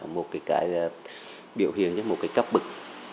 một cái biểu hiện như một cái cấp bực